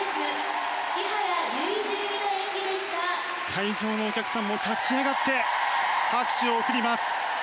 会場のお客さんも立ち上がって拍手を送ります。